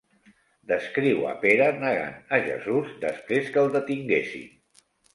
Descriu a Pera negant a Jesús després que el detinguessin.